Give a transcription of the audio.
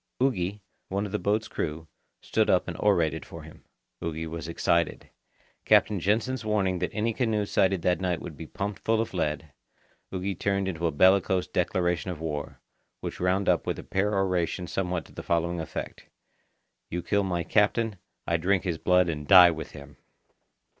Ugi, one of his boat's crew, stood up and orated for him. Ugi was excited. Captain Jansen's warning that any canoe sighted that night would be pumped full of lead, Ugi turned into a bellicose declaration of war, which wound up with a peroration somewhat to the following effect: "You kill my captain, I drink his blood and die with him!"